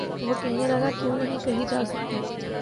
وہ کہنے لگا:کیوں نہیں کہی جا سکتی؟